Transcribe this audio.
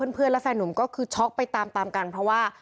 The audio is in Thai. เพื่อนและแฟนหนุ่มก็คือช็อกไปตามตามกันเพราะว่า